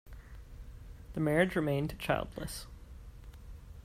The marriage remained childless.